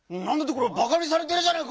これはバカにされてるじゃないか！